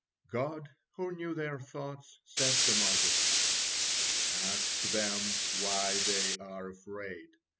God who knew their thoughts, said to Moses: "Ask them why they are afraid.